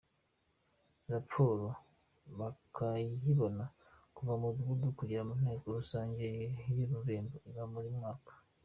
Raporo bakayibona kuva ku Mudugudu kugera ku Nteko rusange y’ururembo iba buri mwaka.